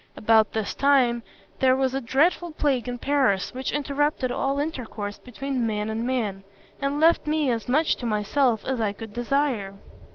About this time, there was a dreadful plague in Paris, which interrupted all intercourse between man and man, and left me as much to myself as I could desire.